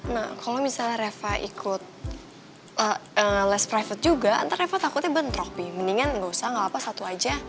nah kalau misalnya reva ikut les private juga nanti reva takutnya bentrok pi mendingan gak usah gak apa apa satu aja